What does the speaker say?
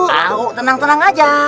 tau tenang tenang aja